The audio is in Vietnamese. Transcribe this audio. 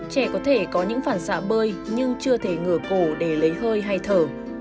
trẻ có thể có những phản xạ bơi nhưng chưa thể ngửa cổ để lấy hơi hay thở